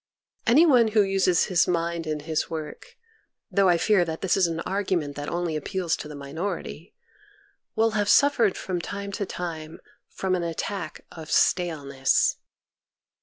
Any one who uses his mind in his work, though I fear that this is an argument that only appeals to the minority, will have suffered from time to time from an attack of stateness.